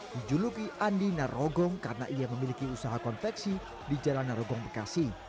dijuluki andi narogong karena ia memiliki usaha konveksi di jalan narogong bekasi